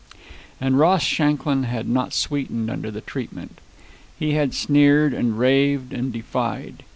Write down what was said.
And Ross Shanklin had not sweetened under the treatment. He had sneered, and raved, and defied.